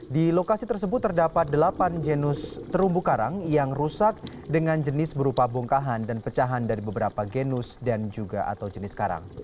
di lokasi tersebut terdapat delapan genus terumbu karang yang rusak dengan jenis berupa bongkahan dan pecahan dari beberapa genus dan juga atau jenis karang